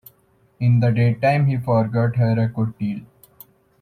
In the daytime he forgot her a good deal.